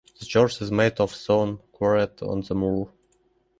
The church is made of stone quarried on the moor.